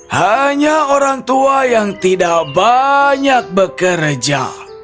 hanya orang tua yang tidak banyak bekerja